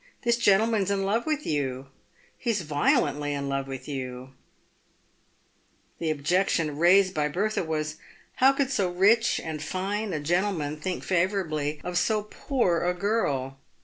This gentleman's in love with you — he's violently in love with you." PAVED WITH GOLD. 233 The objection raised by Bertha was, " how could so rich and fine a gentleman think favourably of so poor a girl